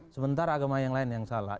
sementara agama yang lain yang salah